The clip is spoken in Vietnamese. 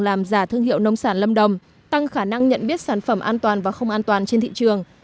làm giả thương hiệu nông sản lâm đồng tăng khả năng nhận biết sản phẩm an toàn và không an toàn trên thị trường